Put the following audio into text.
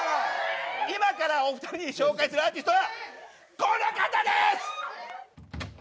今からお二人に紹介するアーティストはこの方です！